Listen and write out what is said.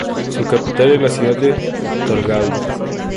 Su capital es la ciudad de Torgau.